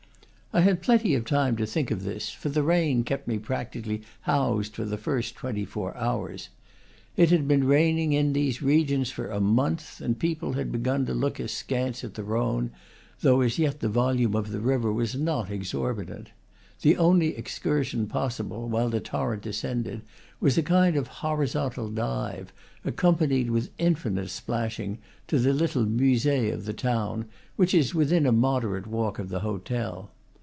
I had plenty of time to think of this, for the rain kept me practically housed for the first twenty four hours. It had been raining in, these regions for a month, and people had begun to look askance at the Rhone, though as yet the volume of the river was not exorbitant. The only excursion possible, while the torrent descended, was a kind of horizontal dive, ac companied with infinite splashing, to the little musee of the town, which is within a moderate walk of the hotel.